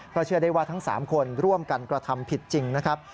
เชื่อได้ว่าทั้ง๓คนร่วมกันกระทำผิดจริงนะครับ